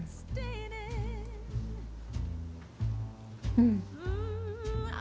うん！